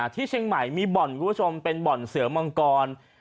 ที่เชียงใหม่มีบ่อนคุณผู้ชมเป็นบ่อนเสือมังกร